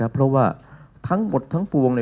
เพราะว่าทั้งหมดทั้งปวง